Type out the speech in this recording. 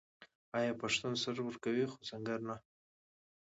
آیا پښتون سر ورکوي خو سنګر نه؟